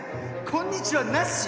「こんにちは」なし？